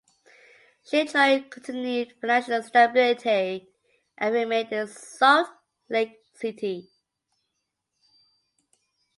She enjoyed continued financial stability and remained in Salt Lake City.